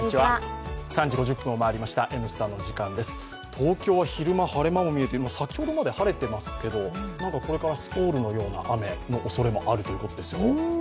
東京は昼間、晴れ間も見えて、先ほどまで晴れていますけどこれからスコールのような雨のおそれもあるようです。